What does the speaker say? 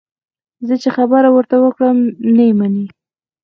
زه چې خبره ورته وکړم، نه یې مني.